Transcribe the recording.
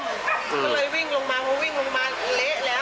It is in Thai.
ก็เลยวิ่งลงมาเพราะวิ่งลงมาเละแล้ว